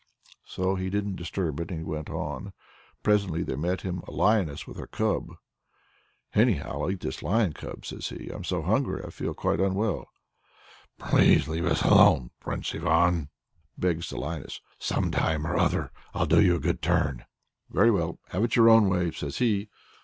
So he didn't disturb it, but went on. Presently there met him a lioness with her cub. "Anyhow I'll eat this lion cub," says he; "I'm so hungry, I feel quite unwell!" "Please let us alone, Prince Ivan," begs the lioness; "some time or other I'll do you a good turn." "Very well; have it your own way," says he.